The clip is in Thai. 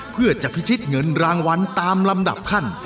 เพื่อจะพิชิตเงินรางวัลตามลำดับขั้น